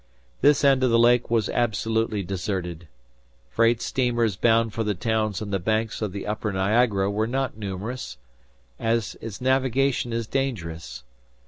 This end of the lake was absolutely deserted. Freight steamers bound for the towns on the banks of the upper Niagara are not numerous, as its navigation is dangerous.